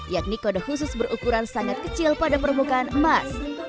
yakni kode khusus berukuran sangat kecil pada permukaan emas